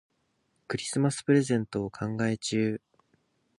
クリスマスプレゼントを考え中。